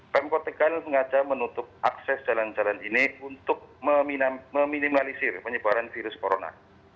pemkot tegal sengaja menutup akses jalan jalan ini untuk meminimalisir penyebaran virus corona